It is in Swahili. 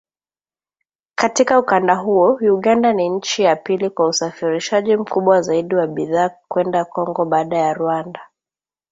Katika ukanda huo Uganda ni nchi ya pili kwa usafirishaji mkubwa zaidi wa bidhaa kwenda Kongo baada ya Rwanda